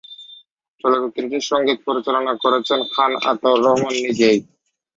চলচ্চিত্রটির সঙ্গীত পরিচালনা করেছিলেন খান আতাউর রহমান নিজেই।